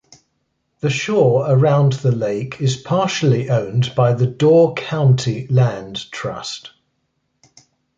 The shore around the lake is partially owned by the Door County Land Trust.